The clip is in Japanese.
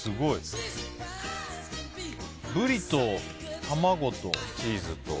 ブリと卵とチーズと。